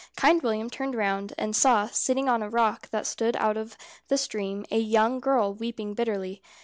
Kind William turned round, and saw, sitting on a rock that stood out of the stream, a young girl weeping bitterly.